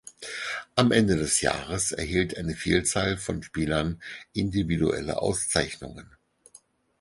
Am Ende des Jahres erhielt eine Vielzahl von Spielern individuelle Auszeichnungen.